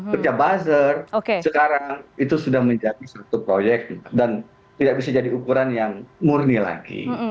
kerja buzzer sekarang itu sudah menjadi satu proyek dan tidak bisa jadi ukuran yang murni lagi